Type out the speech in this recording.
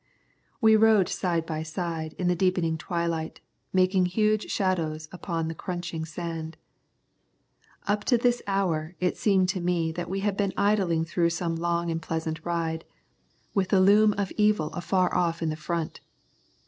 We rode side by side in the deepening twilight, making huge shadows on the crunching sand. Up to this hour it seemed to me that we had been idling through some long and pleasant ride, with the loom of evil afar off in the front.